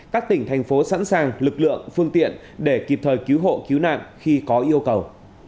các tỉnh thành phố sẵn sàng lực lượng phương tiện để kịp thời cứu hộ cứu nạn khi có yêu cầu